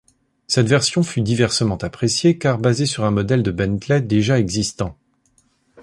Cette version fut diversement appréciée car basée sur un modèle de Bentley déjà existant.